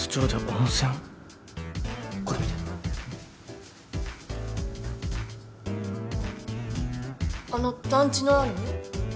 あの団地のある。